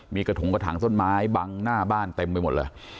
มีกระถงกระถางต้นไม้บังหน้าบ้านเต็มไปหมดเลย